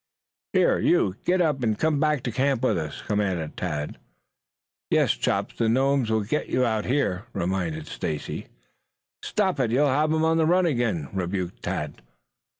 "Here, you, get up and come back to camp with us," commanded Tad. "Yes, Chops, the gnomes will get you out here," reminded Stacy. "Stop it! You'll have him on the run again," rebuked Tad.